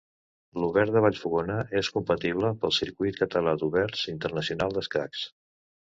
L'Obert de Vallfogona és computable pel Circuit Català d'Oberts Internacionals d'Escacs.